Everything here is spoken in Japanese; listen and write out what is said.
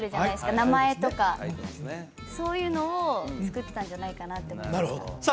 名前とかそういうのを作ったんじゃないかなって思いましたさあ